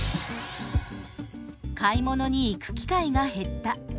「『買い物』に行く機会が減った」